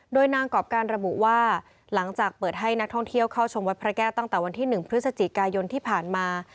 โดยนางกรอบการระบุว่าหลังจากเปิดให้นักท่องเที่ยวเข้าชมวัดพระแก้วตั้งแต่วันที่๑พฤศจิกายนที่ผ่านมา